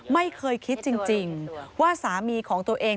ไม่เคยคิดจริงว่าสามีของตัวเอง